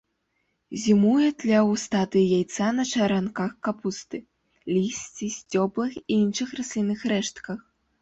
Зімуе тля ў стадыі яйца на чаранках капусты, лісці, сцёблах і іншых раслінных рэштках.